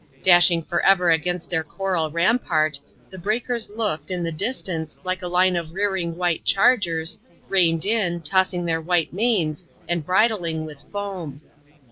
Dashing for ever against their coral rampart, the breakers looked, in the distance, like a line of rearing white chargers, reined in, tossing their white manes, and bridling with foam.